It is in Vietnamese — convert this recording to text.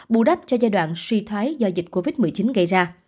bù đắp cho giai đoạn suy thoái do dịch covid một mươi chín gây ra